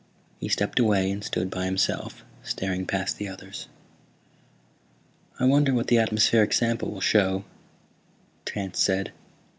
He stepped away and stood by himself, staring past the others. "I wonder what the atmospheric sample will show," Tance said.